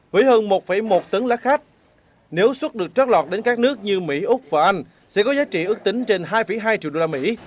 với hơn một một tấn lá khát nếu xuất được trót lọt đến các nước như mỹ úc và anh sẽ có giá trị ước tính trên hai hai triệu đô la mỹ